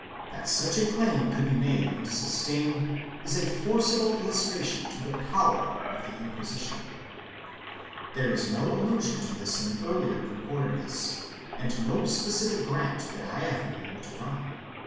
That such a claim could be made and sustained is a forcible illustration of the power of the Inquisition. There is no allusion to this in the earlier Concordias and no specific grant that I have been able to find.